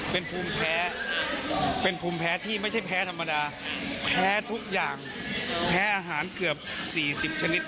เป็นภูมิแพ้เป็นภูมิแพ้ที่ไม่ใช่แพ้ธรรมดาแพ้ทุกอย่างแพ้อาหารเกือบ๔๐ชนิด